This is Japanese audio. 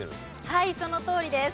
はいそのとおりです。